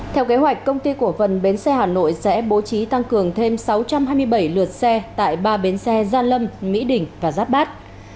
theo kế hoạch công ty cổ phần bến xe hà nội sẽ bố trí tăng cường thêm sáu trăm hai mươi bảy lượt xe tại ba bến xe gia lâm mỹ đình và giáp bát